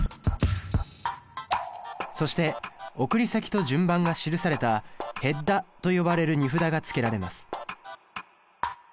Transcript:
そして送り先と順番が記されたヘッダと呼ばれる荷札がつけられます。